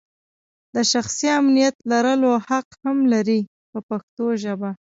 د شخصي امنیت لرلو حق هم لري په پښتو ژبه.